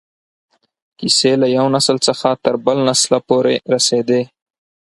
کیسې له یو نسل څخه تر بل نسله پورې رسېدې.